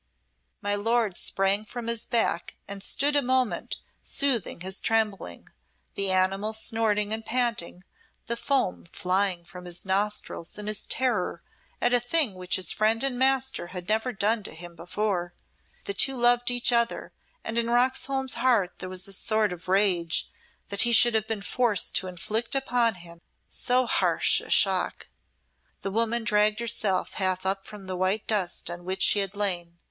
My lord sprang from his back and stood a moment soothing his trembling, the animal snorting and panting, the foam flying from his nostrils in his terror at a thing which his friend and master had never done to him before. The two loved each other, and in Roxholm's heart there was a sort of rage that he should have been forced to inflict upon him so harsh a shock. The woman dragged herself half up from the white dust on which she had lain.